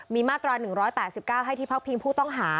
มีมาตรา๑๘๙ให้ที่พักพิงผู้ต้องหา